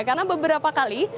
karena beberapa kali